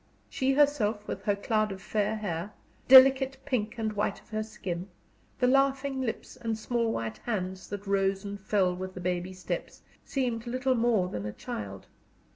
She herself, with her cloud of fair hair, the delicate pink and white of her skin, the laughing lips and small white hands that rose and fell with the baby steps, seemed little more than a child.